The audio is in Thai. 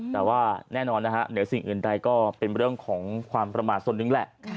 แต่ว่าแน่นอนนะฮะเหนือสิ่งอื่นใดก็เป็นเรื่องของความประมาทส่วนหนึ่งแหละ